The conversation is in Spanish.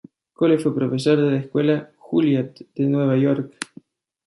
Cole fue profesor de la Escuela Juilliard de Nueva York.